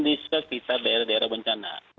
desa kita daerah daerah bencana